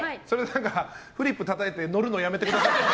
フリップたたいて乗るのやめてください。